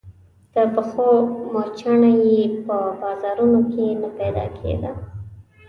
د پښو موچڼه يې په بازارونو کې نه پيدا کېده.